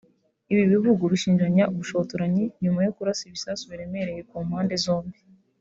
Ibi bihugu bishinjanya ubushotoranyi nyuma yo kurasa ibisasu biremereye ku mpande zombi